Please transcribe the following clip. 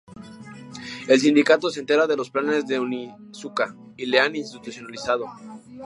El sindicato se entera de los planes de Onizuka y le han institucionalizado.